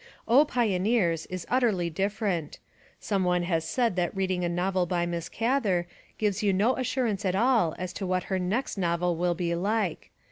Pioneers! is utterly different. Some one has said that reading a novel by Miss Gather gives you no as surance at all as to what her next novel will be like.